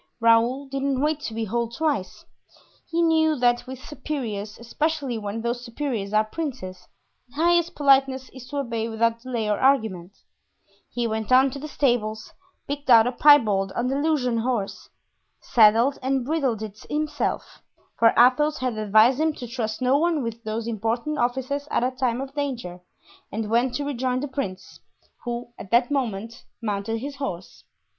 Raoul didn't wait to be told twice; he knew that with superiors, especially when those superiors are princes, the highest politeness is to obey without delay or argument; he went down to the stables, picked out a pie bald Andalusian horse, saddled and bridled it himself, for Athos had advised him to trust no one with those important offices at a time of danger, and went to rejoin the prince, who at that moment mounted his horse.